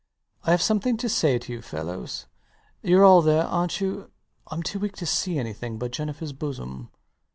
I have something to say to you fellows. Youre all there, arnt you? I'm too weak to see anything but Jennifer's bosom.